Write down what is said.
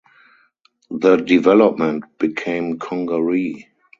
The development became Congaree.